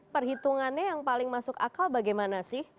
perhitungannya yang paling masuk akal bagaimana sih